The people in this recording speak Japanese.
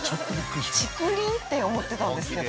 竹林？って思ってたんですけど。